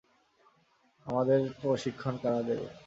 আমাদের প্রশিক্ষণ কারা দেবে?